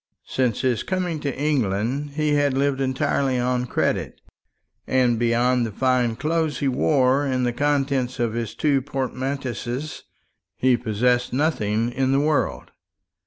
Since his coming to England he had lived entirely on credit; and, beyond the fine clothes he wore and the contents of his two portmanteaus, he possessed nothing in the world.